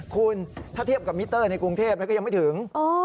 คุณถ้าเทียบกับมิเตอร์ในกรุงเทพก็ยังไม่ถึง